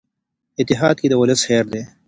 اتحاد کې د ولس خیر دی.